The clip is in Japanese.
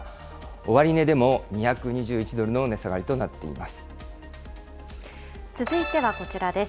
終値でも２２１ドルの値下がりと続いてはこちらです。